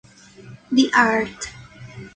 The art.